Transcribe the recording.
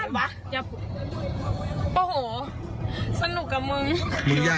โอ้โหสนุกอ่ะมึง